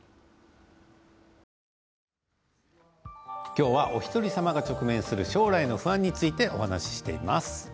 今日はおひとりさまが直面する将来の不安についてお話ししています。